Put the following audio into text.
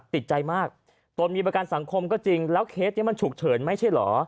ติดใจมากตนมีประกันสังคมก็จริงแล้วเคสนี้มันฉุกเฉินไม่ใช่เหรอ